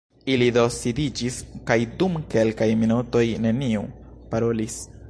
Ili do sidiĝis, kaj dum kelkaj minutoj neniu_ parolis.